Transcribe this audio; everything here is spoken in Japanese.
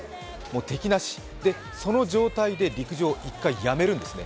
敵なし、その状態で陸上、一回やめるんですね。